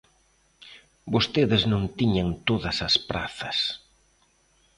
Vostedes non tiñan todas as prazas.